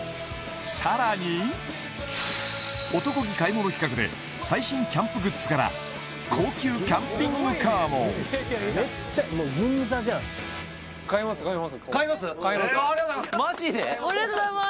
さらに男気買い物企画で最新キャンプグッズから高級キャンピングカーもめっちゃもう銀座じゃん買います？